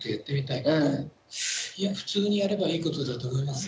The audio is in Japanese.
いや普通にやればいいことだと思いますよ。